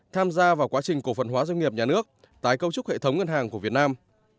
tham gia vào quá trình cổ phần hóa doanh nghiệp nhà nước tái cấu trúc hệ thống ngân hàng của việt nam